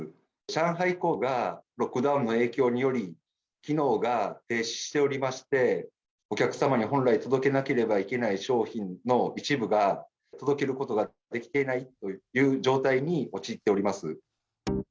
上海港がロックダウンの影響により機能が停止しておりまして、お客様に本来届けなければいけない商品の一部が届けることができていないという状態に陥っております。